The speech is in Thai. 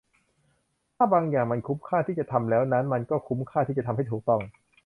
ถ้าบางอย่างมันคุ้มค่าที่จะทำแล้วนั้น มันก็คุ้มค่าที่จะทำให้ถูกต้อง